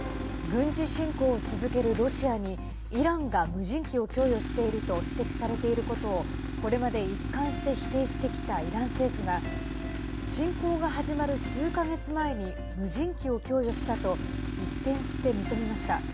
軍事侵攻を続けるロシアにイランが無人機を供与していると指摘されていることをこれまで一貫して否定してきたイラン政府が侵攻が始まる数か月前に無人機を供与したと一転して、認めました。